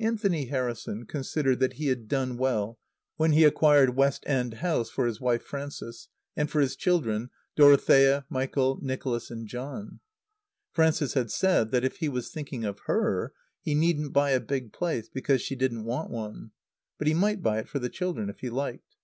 Anthony Harrison considered that he had done well when he acquired West End House for his wife Frances, and for his children, Dorothea, Michael, Nicholas and John. Frances had said that, if he was thinking of her, he needn't buy a big place, because she didn't want one. But he might buy it for the children if he liked.